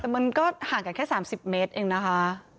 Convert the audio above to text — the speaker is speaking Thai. แต่มันก็ห่างกันแค่๓๐เมตรเองนะคะ